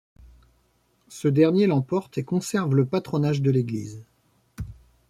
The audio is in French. Ce dernier l'emporte et conserve le patronage de l'église.